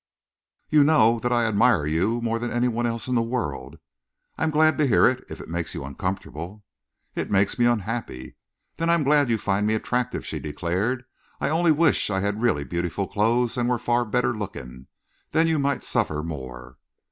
"You know that I admire you more than any one else in the world?" "I am glad to hear it, if it makes you uncomfortable." "It makes me unhappy." "Then I'm glad you find me attractive," she declared. "I only wish I had really beautiful clothes and were far better looking. Then you might suffer more."